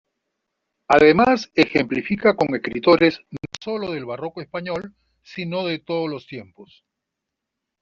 Además ejemplifica con escritores no solo del barroco español, sino de todos los tiempos.